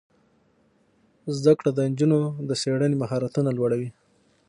زده کړه د نجونو د څیړنې مهارتونه لوړوي.